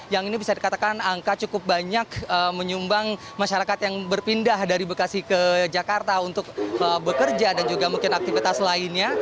yang ini bisa dikatakan angka cukup banyak menyumbang masyarakat yang berpindah dari bekasi ke jakarta untuk bekerja dan juga mungkin aktivitas lainnya